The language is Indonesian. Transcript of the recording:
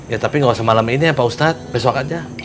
ya tapi nggak semalam ini ya pak ustadz besok aja